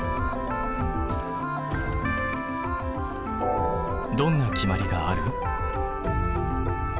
どんな決まりがある？